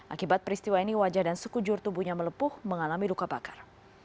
akibat peristiwa ini wajah dan sekujur tubuhnya melepuh mengalami luka bakar